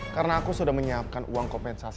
karena aku sudah menyiapkan uang kompetensi